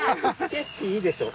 景色いいでしょ？